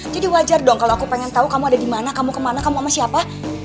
jadi wajar dong kalau aku pengen tahu kamu ada dimana kamu kemana kamu sama siapa